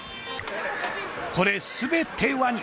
これ、全てワニ。